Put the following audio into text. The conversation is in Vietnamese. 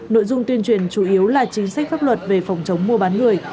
nội dung tuyên truyền chủ yếu là chính sách pháp luật về phòng chống mua bán người